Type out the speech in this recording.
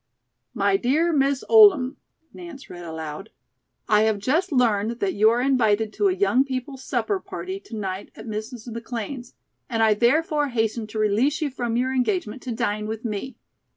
"'MY DEAR MISS OLDHAM,'" Nance read aloud. "'I have just learned that you are invited to a young people's supper party to night at Mrs. McLean's, and I therefore hasten to release you from your engagement to dine with me.